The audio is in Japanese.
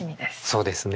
そうですね